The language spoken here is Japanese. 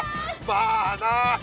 まあな。